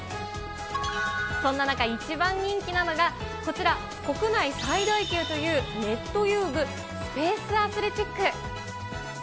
そんな中、一番人気なのが、こちら、屋内最大級というネット遊具、スペースアスレチック。